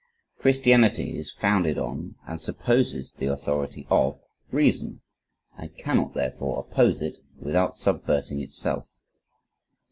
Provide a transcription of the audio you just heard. "Christianity is founded on, and supposes the authority of, reason, and cannot therefore oppose it, without subverting itself."